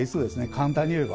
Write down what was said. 簡単にいえば。